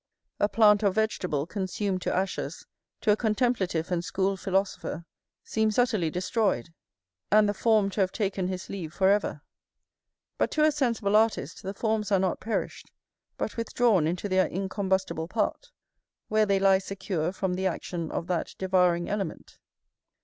A plant or vegetable consumed to ashes to a contemplative and school philosopher seems utterly destroyed, and the form to have taken his leave for ever; but to a sensible artist the forms are not perished, but withdrawn into their incombustible part, where they lie secure from the action of that devouring element.